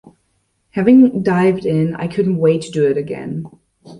Having dived in, I couldn't wait to do it again.